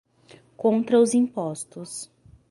Contra os Impostos